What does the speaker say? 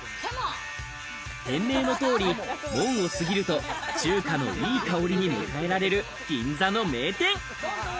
店名の通り、門を過ぎると中華のいい香りに迎えられる銀座の名店。